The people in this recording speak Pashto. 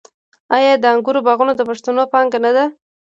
آیا د انګورو باغونه د پښتنو پانګه نه ده؟